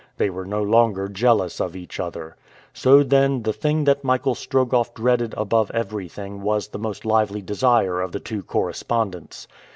They were no longer jealous of each other. So, then, the thing that Michael Strogoff dreaded above everything was the most lively desire of the two correspondents.